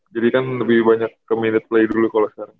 jadi kan lebih banyak ke minute play dulu kalau sekarang